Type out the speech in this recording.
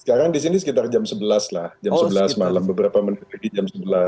sekarang di sini sekitar jam sebelas lah jam sebelas malam beberapa menit lagi jam sebelas